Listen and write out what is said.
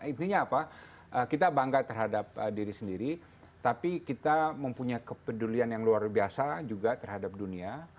intinya apa kita bangga terhadap diri sendiri tapi kita mempunyai kepedulian yang luar biasa juga terhadap dunia